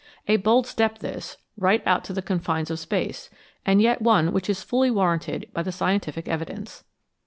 A bold step this, right out to the confines of space, and yet one which is fully warranted by the scientific evidence.